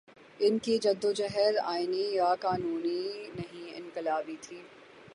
ان کی جد وجہد آئینی یا قانونی نہیں، انقلابی تھی۔